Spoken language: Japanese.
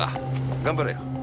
頑張れよ。